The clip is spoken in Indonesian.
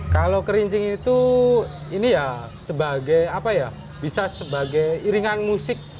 kalau kerinci itu ini ya sebagai apa ya bisa sebagai iringan musik